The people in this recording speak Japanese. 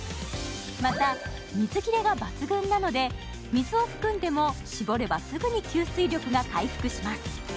また水切れが抜群なので水を含んでも絞ればすぐに吸水力が回復します